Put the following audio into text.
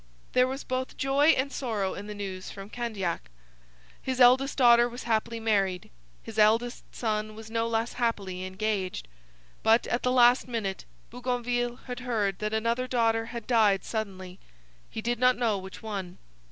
There was both joy and sorrow in the news from Candiac. His eldest daughter was happily married. His eldest son was no less happily engaged. But, at the last minute, Bougainville had heard that another daughter had died suddenly; he did not know which one.